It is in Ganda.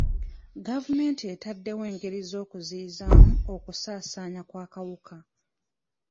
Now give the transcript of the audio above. Gavumenti etaddewo engeri z'okuziyizaamu okusaasaana kw'akawuka.